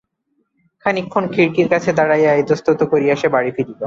খানিকক্ষণ খিড়কির কাছে দাঁড়াইয়া ইতস্তত করিয়া সে বাড়ি ফিরিল।